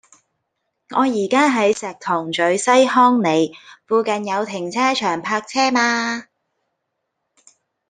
我依家喺石塘咀西康里，附近有停車場泊車嗎